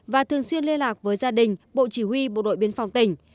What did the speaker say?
và thường xuyên liên lạc với gia đình bộ chỉ huy bộ đội biên phòng tỉnh